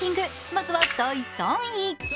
まずは第３位。